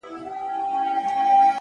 • قلندر ته کار مهم د تربیت وو,